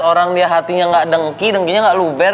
orang liat hatinya gak dengki dengkinya gak luber